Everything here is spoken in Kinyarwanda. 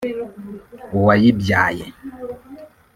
uwayibyaye